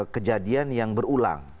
kejadian yang berulang